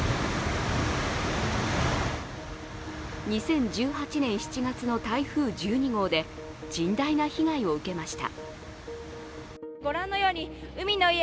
２０１８年７月の台風１２号で甚大な被害を受けました。